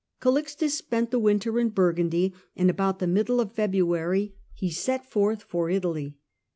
Calixtus spent the winter in Burgundy, and about the middle of February he set forth for Italy.